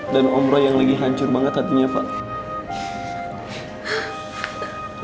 dan om lo yang lagi hancur banget hatinya fah